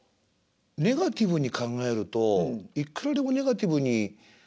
ネガティブに考えるといっくらでもネガティブに。